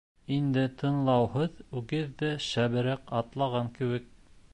Инде тыңлауһыҙ үгеҙ ҙә шәберәк атлаған кеүек.